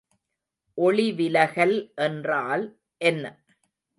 ஒளிவிலகல் என்றால் என்ன?